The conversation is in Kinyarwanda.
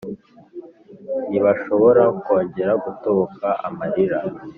ntibashobora kongera gutoboka amarira